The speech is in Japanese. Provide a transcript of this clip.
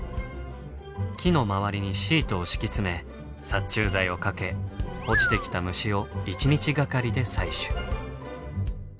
木の周りにシートを敷き詰め殺虫剤をかけ落ちてきた虫を一日がかりで採取。